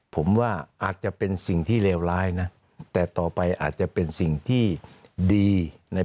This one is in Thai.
ผมว่าอาจจะเป็นสิ่งที่เลวร้ายนะแต่ต่อไปอาจจะเป็นสิ่งที่ดีใน